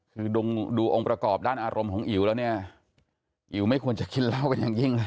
คือดูองค์ประกอบด้านอารมณ์ของอิ๋วแล้วเนี่ยอิ๋วไม่ควรจะกินเหล้ากันอย่างยิ่งเลย